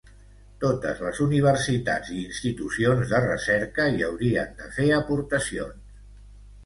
Totes les universitats i institucions de recerca hi haurien de fer aportacions.